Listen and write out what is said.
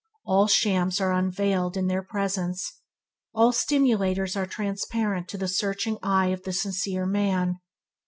All shams are unveiled in their presence. All simulators are transparent to the searching eye of the sincere man.